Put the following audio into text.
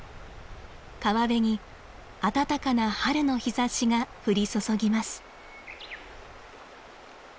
川辺に暖かな春の日ざしが降り注ぎます。